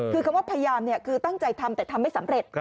คือคำว่าพยายามคือตั้งใจทำแต่ทำไม่สำเร็จ